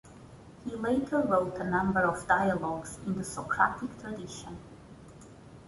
He later wrote a number of dialogues in the Socratic tradition.